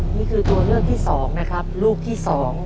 นี่คือตัวเลือกที่๒นะครับลูกที่๒